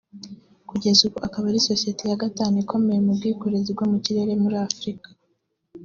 Kugeza ubu akaba ari sosiyete ya gatanu ikomeye mu bwikorezi bwo mu kirere muri Afurika